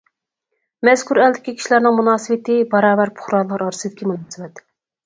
مەزكۇر ئەلدىكى كىشىلەرنىڭ مۇناسىۋىتى باراۋەر پۇقرالار ئارىسىدىكى مۇناسىۋەت.